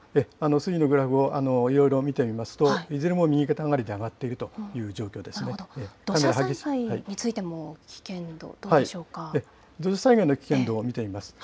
水位のグラフをいろいろ見てみますと、いずれも右肩上がりで上がっているという土砂災害についても危険度、土砂災害の危険度を見てみます。